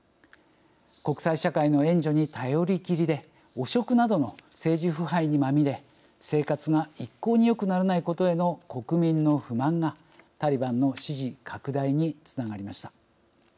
国際社会の援助に頼りきりで汚職などの政治腐敗にまみれ生活が一向によくならないことへの国民の不満がタリバンの支持拡大につながりました。